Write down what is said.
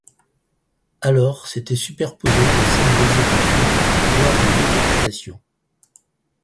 Alors s’étaient superposées les scènes d’exécution, voire de décapitation.